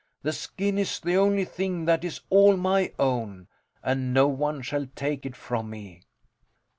The skin is the only thing that is all my own, and no one shall take it from me.